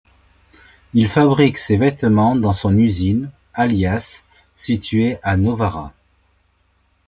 Il fabrique ses vêtements dans son usine, Alias, située à Novara.